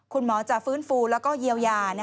คุณหมอจะฟื้นฟูแล้วก็เยียวยา